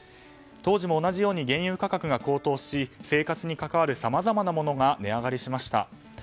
当時も同じように原油価格が高騰し生活に関わる、さまざまなものが値上がりしました。